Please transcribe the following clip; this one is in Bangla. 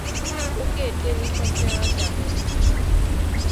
ওকে টেলিফোন দেয়া যাবে না।